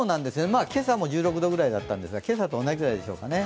今朝も１６度ぐらいだったんですが、今朝と同じくらいでしょうか。